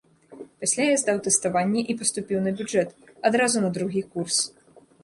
Пасля я здаў тэставанне і паступіў на бюджэт, адразу на другі курс.